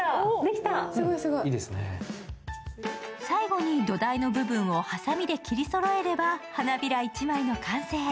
最後の土台の部分をはさみで切りそろえれば、花びら１枚の完成。